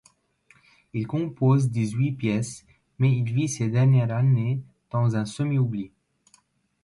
Il compose dix-huit pièces, mais il vit ses dernières années dans un semi-oubli.